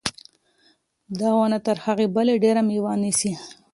دا ونه تر هغې بلې ډېره مېوه نیسي.